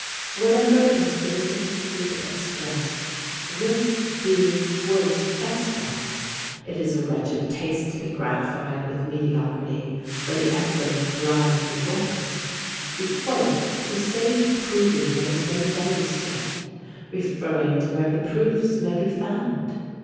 Whatever is felicitously expressed risks being worse expressed: it is a wretched taste to be gratified with mediocrity when the excellent lies before us. We quote to save proving what has been demonstrated, referring to where the proofs may be found.